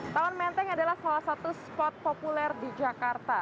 taman menteng adalah salah satu spot populer di jakarta